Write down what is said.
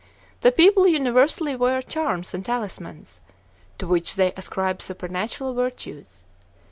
The people universally wear charms and talismans, to which they ascribe supernatural virtues.